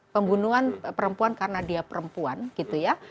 pembunuhan perempuan karena dia perempuan